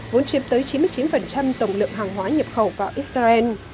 vốn chiếm tới chín mươi chín tổng lượng hàng hóa nhập khẩu vào israel